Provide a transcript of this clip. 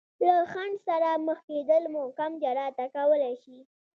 له خنډ سره مخ کېدل مو کم جراته کولی شي.